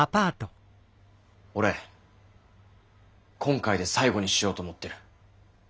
俺今回で最後にしようと思ってる。